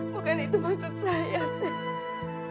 bukan itu maksud saya